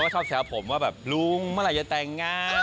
ชอบแซวผมว่าแบบลุงเมื่อไหร่จะแต่งงาน